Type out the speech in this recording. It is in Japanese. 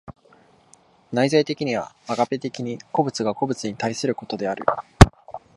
内在的にはアガペ的に個物が個物に対することである。